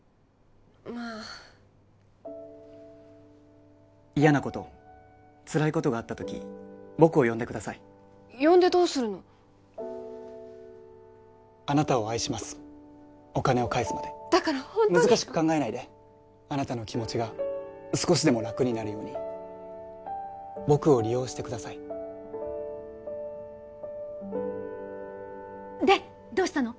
まあ嫌なことつらいことがあったとき僕を呼んでください呼んでどうするのあなたを愛しますお金を返すまでだからホントに難しく考えないであなたの気持ちが少しでも楽になるように僕を利用してくださいでどうしたの？